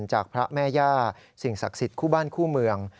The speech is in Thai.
จากพระแม่ย่าสิ่งศักดิ์สิทธิ์คู่บ้านคู่เมือง